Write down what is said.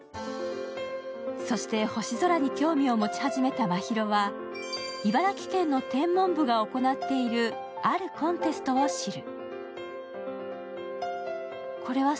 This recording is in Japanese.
そして、星空に興味を持ち始めた真宙は、茨城県の天文部が行っているあるコンテストを知る。